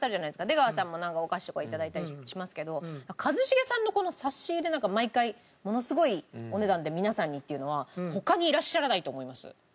出川さんもなんかお菓子とかを頂いたりしますけど一茂さんのこの差し入れなんか毎回ものすごいお値段で皆さんにっていうのは他にいらっしゃらないと思います。